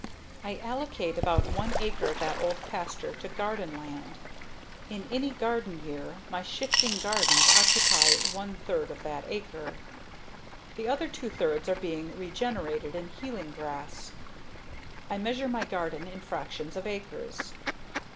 I allocate about one acre of that old pasture to garden land. In any given year my shifting gardens occupy one third of that acre. The other two thirds are being regenerated in healing grass. I measure my garden in fractions of acres.